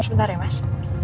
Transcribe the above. sebentar ya mas